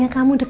belum ada kau